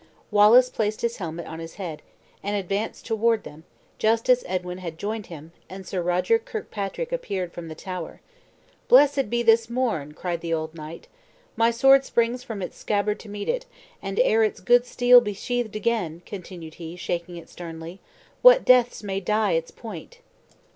Wallace placed his helmet on his head, and advanced toward them, just as Edwin had joined him, and Sir Roger Kirkpatrick appeared from the tower. "Blessed be this morn!" cried the old knight. "My sword springs from its scabbard to meet it; and ere its good steel be sheathed again," continued he, shaking it sternly, "what deaths may dye its point!"